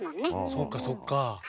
そっかそっか。